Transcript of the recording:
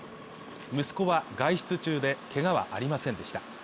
息子は外出中でけがはありませんでした。